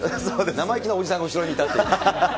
生意気なおじさんが後ろにいたっていう。